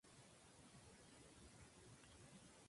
Primero se presta a hacer los contornos básicos del planeta.